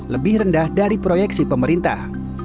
lebih rendah dari proyeksi pemerintah